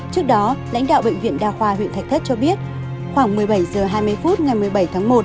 trước đó lãnh đạo bệnh viện đa khoa huyện thạch thất cho biết khoảng một mươi bảy h hai mươi phút ngày một mươi bảy tháng một